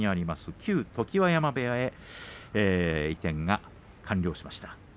旧常盤山部屋へ移転が完了しました。